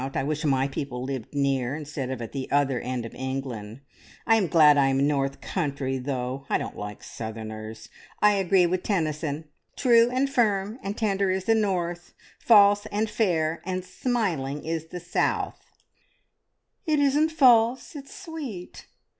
I wish my people lived near, instead of at the other end of England. I am glad I am North Country, though; I don't like Southerners! I agree with Tennyson "`True, and firm, and tender is the North; False, and fair, and smiling is the South.'" "It isn't false; it's sweet!"